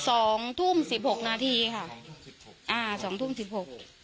สองทุ่มสิบหกนาทีค่ะอ๋อสองทุ่มสิบหก